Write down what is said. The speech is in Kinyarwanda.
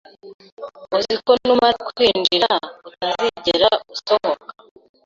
Uzi ko numara kwinjira, utazigera usohoka.